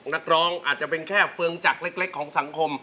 นักร้องอาจจะเป็นแค่เฟืองจักรเล็กของสังคม